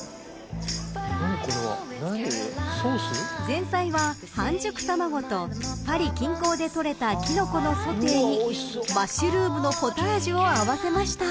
［前菜は半熟卵とパリ近郊で採れたキノコのソテーにマッシュルームのポタージュを合わせました］